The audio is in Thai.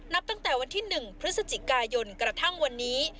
นับตั้งแต่วันที่๑พฤศจิกายนกระทั่งวันนี้